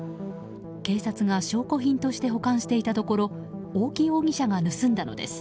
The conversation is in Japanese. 警察が証拠品として保管していたところ大木容疑者が盗んだのです。